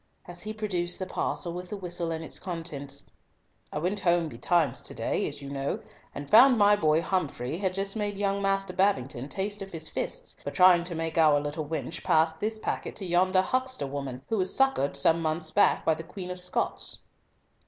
as he produced the parcel with the whistle and its contents. "I went home betimes to day, as you know, and found my boy Humfrey had just made young Master Babington taste of his fists for trying to make our little wench pass this packet to yonder huckster woman who was succoured some months back by the Queen of Scots."